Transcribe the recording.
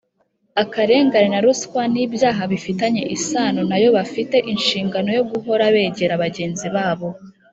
akarengane na ruswa n ibyaha bifitanye isano na yo Bafite inshingano yo guhora begera bagenzi babo